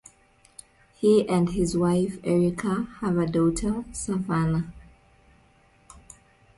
He and his wife, Erica, have a daughter, Savanna.